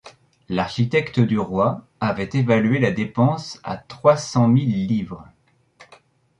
L’architecte du roi avait évalué la dépense à trois cent mille livres.